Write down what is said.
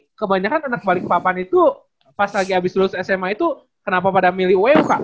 ini kebanyakan anak balikpapan itu pas lagi abis lulus sma itu kenapa pada milih wu kak